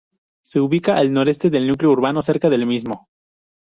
Se ubica al noreste del núcleo urbano, cerca del mismo.